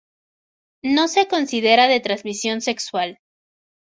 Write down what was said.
No se considera de transmisión sexual.